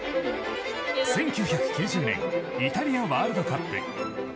１９９０年イタリアワールドカップ。